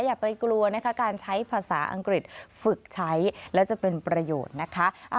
อย่าไปกลัวนะคะการใช้ภาษาอังกฤษฝึกใช้และจะเป็นประโยชน์นะคะ